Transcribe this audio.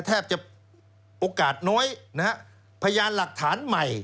แทบจะโอกาสน้อยนะฮะพยานหลักฐานใหม่